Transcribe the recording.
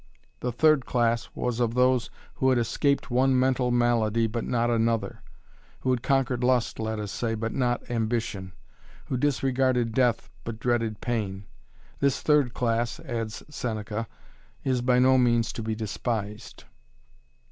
The third class was of those who had escaped one mental malady but not another; who had conquered lust, let us say, but not ambition; who disregarded death, but dreaded pain, This third class, adds Seneca, is by no means to be despised.